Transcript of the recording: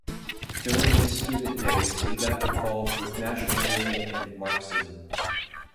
During his student days, he got involved with nationalism and Marxism.